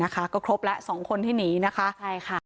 ก็ครบแล้ว๒คนที่หนีนะคะ